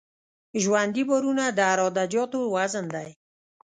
ژوندي بارونه د عراده جاتو وزن دی